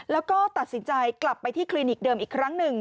แล้วก็ตัดสินใจกลับไปที่คลินิกเดิมอีกครั้งหนึ่ง